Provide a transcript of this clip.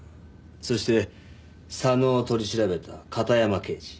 そして佐野を取り調べた片山刑事。